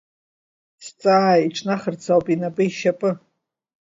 Сҵаа иҿнахырц ауп инапы-ишьапы.